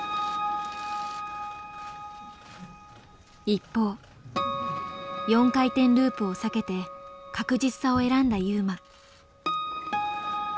一方４回転ループを避けて確実さを選んだ優真。